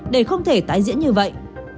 để không thể tái diễn như vậy